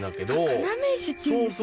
要石っていうんですね。